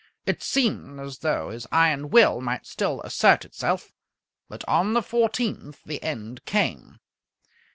It seemed as though his iron will might still assert itself, but on the fourteenth the end came.